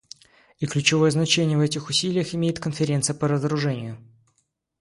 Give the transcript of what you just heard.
И ключевое значение в этих усилиях имеет Конференция по разоружению.